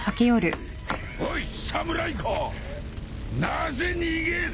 なぜ逃げん！？